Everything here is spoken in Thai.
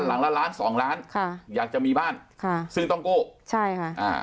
หลังละล้านสองล้านค่ะอยากจะมีบ้านค่ะซึ่งต้องกู้ใช่ค่ะอ่า